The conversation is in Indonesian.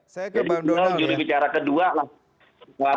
jadi itu jurubicara kedua lah